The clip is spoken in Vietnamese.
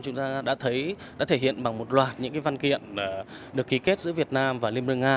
chúng ta đã thấy đã thể hiện bằng một loạt những văn kiện được ký kết giữa việt nam và liên bang nga